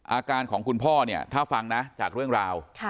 อาการของคุณพ่อเนี่ยถ้าฟังนะจากเรื่องราว